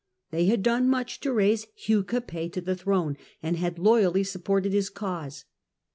They had done much to raise Hugh Capet to the throne, and had loyally supported his cause.